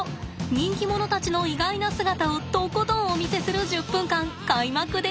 人気者たちの意外な姿をとことんお見せする１０分間開幕ですぞ。